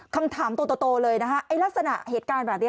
คำถามตัวเลยนะคะไอ้ลักษณะเหตุการณ์แบบนี้